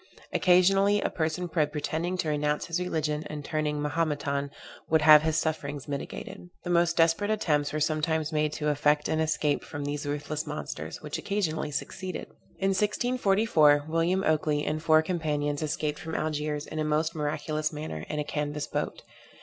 Occasionally, a person by pretending to renounce his religion, and turning Mahometan would have his sufferings mitigated. The most desperate attempts were sometimes made to effect an escape from these ruthless monsters, which occasionally succeeded. In 1644 William Oakley and four companions escaped from Algiers, in a most miraculous manner, in a canvas boat.